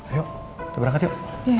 ayo kita berangkat yuk